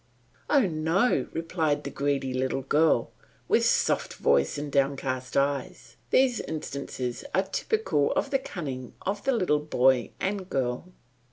"Oh, no," replied the greedy little girl with soft voice and downcast eyes. These instances are typical of the cunning of the little boy and girl.